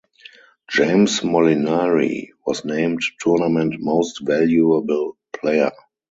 James Molinari was named Tournament Most Valuable Player.